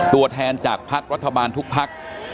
ตัวแทนจากภักดิ์รัฐบาลทุกพัก